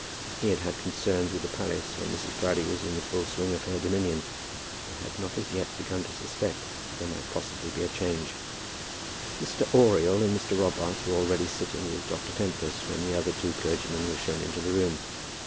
He had had concerns with the palace when Mrs. Proudie was in the full swing of her dominion, and had not as yet begun to suspect that there might possibly be a change. Mr. Oriel and Mr. Robarts were already sitting with Dr. Tempest when the other two clergymen were shown into the room.